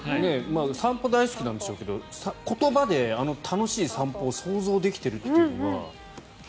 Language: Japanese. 散歩大好きなんでしょうけど言葉であの楽しい散歩を想像できてるというのはすごい。